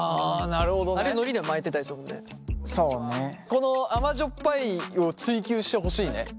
このあまじょっぱいを追求してほしいね。